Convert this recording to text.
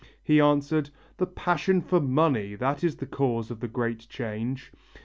He answered, 'The passion for money, that is the cause of the great change.